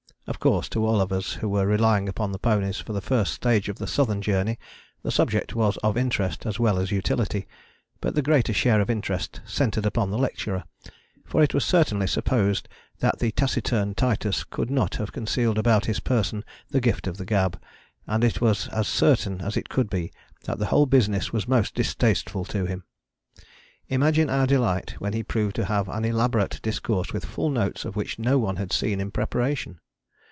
Of course to all of us who were relying upon the ponies for the first stage of the Southern Journey the subject was of interest as well as utility, but the greater share of interest centred upon the lecturer, for it was certainly supposed that taciturn Titus could not have concealed about his person the gift of the gab, and it was as certain as it could be that the whole business was most distasteful to him. Imagine our delight when he proved to have an elaborate discourse with full notes of which no one had seen the preparation.